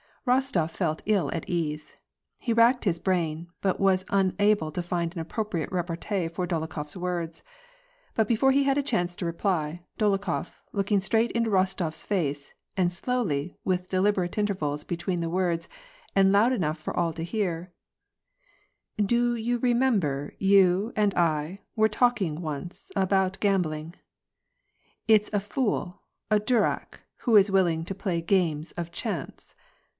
Boetof felt ill at ease. He racked his brain, but was un able to find an appropriate repartee for DolokhoFs words. But before he had a chance to reply, Dolokhof, looking straight into Bostof's face, said slowly, with deliberate inter vals between the words, and loud enough for all to hear, —" Do you remember you and I were talking once about gam bling. ...* It's a fool, a durak, who is willing to play games of chance.